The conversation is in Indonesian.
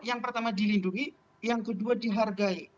yang pertama dilindungi yang kedua dihargai